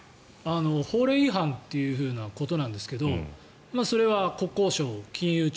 法令違反ということなんですけどそれは国交省、金融庁